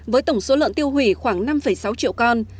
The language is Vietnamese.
với tổng số lợn tiêu hủy khoảng năm sáu triệu con